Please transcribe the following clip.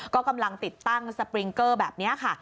ก็กำลังติดตั้งสปริงเกอร์แบบนี้ค่ะ